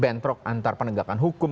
bentrok antar penegakan hukum